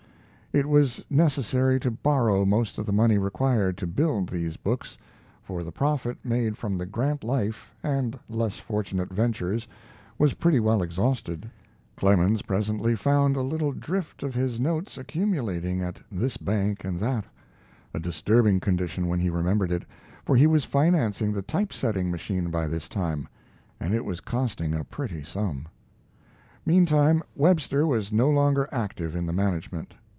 It was necessary to borrow most of the money required to build these books, for the profit made from the Grant Life and less fortunate ventures was pretty well exhausted. Clemens presently found a little drift of his notes accumulating at this bank and that a disturbing condition, when he remembered it, for he was financing the typesetting machine by this time, and it was costing a pretty sum. Meantime, Webster was no longer active in the management.